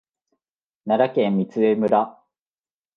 奈良県御杖村